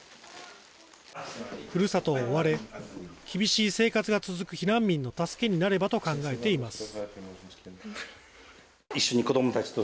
ふるさとを追われ厳しい生活が続く避難民の助けになればと考えています。